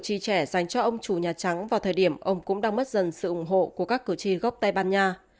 các cử tri trẻ dành cho ông chủ nhà trắng vào thời điểm ông cũng đang mất dần sự ủng hộ của các cử tri gốc tây ban nha